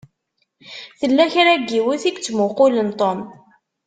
Tella kra n yiwet i yettmuqqulen Tom.